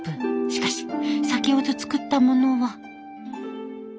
しかし先ほど作ったものは。